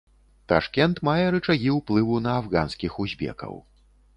Ташкент мае рычагі ўплыву на афганскіх узбекаў.